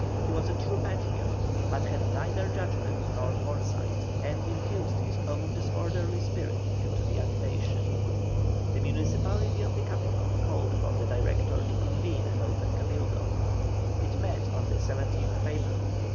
He was a true patriot, but had neither judgment nor foresight, and infused his own disorderly spirit into the agitation. The municipality of the capital called upon the Director to convene an open Cabildo. It met on the 17th April.